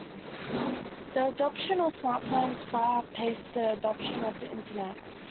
The adoption of Smartphones far outpaced the adoption of the internet.